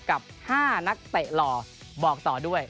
กับ๕นักเตะหล่อบอกต่อด้วย